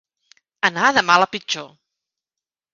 Anar de mal a pitjor.